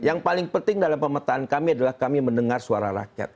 yang paling penting dalam pemetaan kami adalah kami mendengar suara rakyat